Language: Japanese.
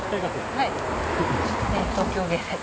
はい。